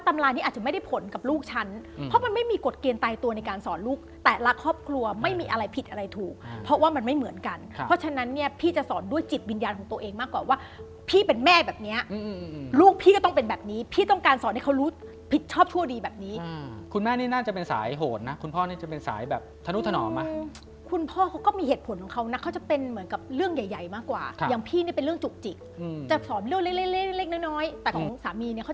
ทักษะในการเบ้ปากสำหรับคลิกโซเซนต์นี้ต้องเริ่มต้นยังไง